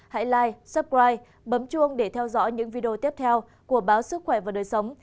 hãy like subscribe bấm chuông để theo dõi những video tiếp theo của báo sức khỏe và đời sống